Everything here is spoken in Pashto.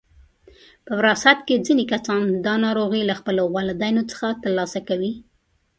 په وراثت کې ځینې کسان دا ناروغي له خپلو والدینو څخه ترلاسه کوي.